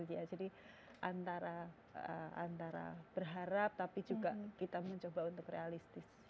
jadi antara berharap tapi juga kita mencoba untuk realistis